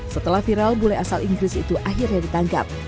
setelah viral bule asal inggris itu akhirnya ditangkap